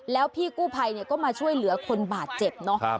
แล้วพี่กู้ภัยก็มาช่วยเหลือคนบาดเจ็บเนาะ